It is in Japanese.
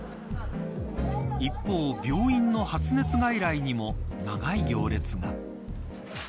一方、病院の発熱外来にも長い行列が。